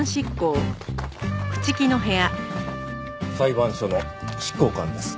裁判所の執行官です。